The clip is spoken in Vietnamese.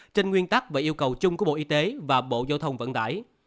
trên nguyên tắc và yêu cầu chung của bộ y tế và bộ giao thông vận tải